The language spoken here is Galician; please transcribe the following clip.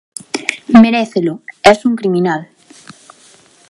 Merécelo, es un criminal.